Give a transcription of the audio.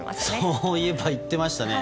そういえば言っていましたね。